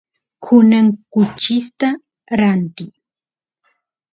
kunan kuchista rantiy